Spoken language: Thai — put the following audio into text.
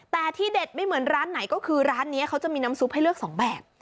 แต่ที่เด็ดไม่เหมือนร้านไหนก็คือร้านนี้เขาจะมีน้ำซุปให้เลือกสองแบบ